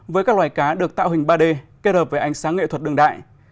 với các loài cá được tạo hình ba d kết hợp với ánh sáng nghệ thuật đường đại